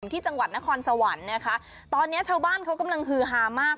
ที่จังหวัดนครสวรรค์นะคะตอนนี้ชาวบ้านเขากำลังฮือฮามาก